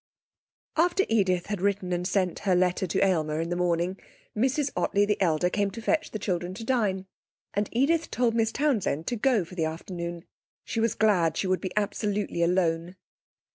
After Edith had written and sent her letter to Aylmer in the morning, Mrs Ottley the elder came to fetch the children to dine, and Edith told Miss Townsend to go for the afternoon. She was glad she would be absolutely alone.